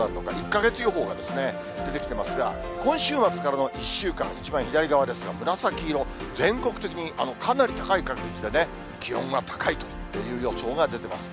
１か月予報が出てきてますが、今週末からの１週間、一番左側ですが、紫色、全国的にかなり高い確率でね、気温は高いという予想が出てます。